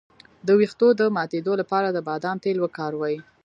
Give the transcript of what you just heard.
د ویښتو د ماتیدو لپاره د بادام تېل وکاروئ